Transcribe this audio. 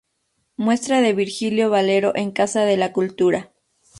Muestra de Virgilio Valero en Casa de la Cultura